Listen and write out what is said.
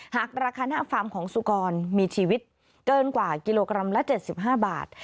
หากราคาหน้าฟาร์มของสุกรมีชีวิตเกินกว่ากิโลกรัมละ๗๕บาท